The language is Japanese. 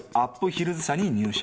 ヒルズ社に入社。